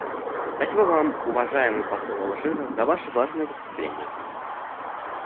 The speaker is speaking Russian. Спасибо Вам, уважаемый посол Алжира, за Ваше важное выступление.